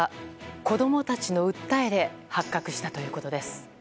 子供たちの訴えで発覚したということです。